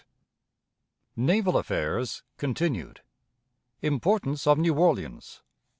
Naval Affairs (continued). Importance of New Orleans.